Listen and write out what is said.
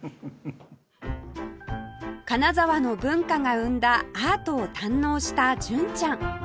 金沢の文化が生んだアートを堪能した純ちゃん